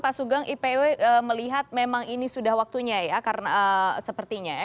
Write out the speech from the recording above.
pak sugeng ipw melihat memang ini sudah waktunya ya karena sepertinya ya